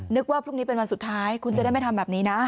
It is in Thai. ว่าพรุ่งนี้เป็นวันสุดท้ายคุณจะได้ไม่ทำแบบนี้นะ